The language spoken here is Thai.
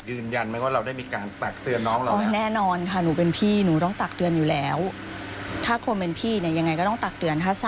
ยืนยันไหมว่าเราได้มีการตักเตือนน้องเรา